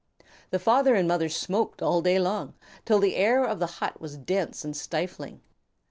The father and mother smoked all day long, till the air of the hut was dense and stifling.